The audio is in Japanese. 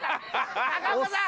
中岡さん！